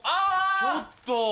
ちょっと。